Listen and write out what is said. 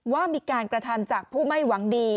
ว่ามีการกระทำจากผู้ไม่หวังดี